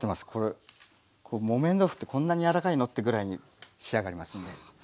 木綿豆腐ってこんなに柔らかいの？ってぐらいに仕上がりますんで。